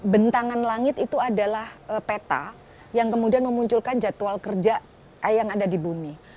bentangan langit itu adalah peta yang kemudian memunculkan jadwal kerja yang ada di bumi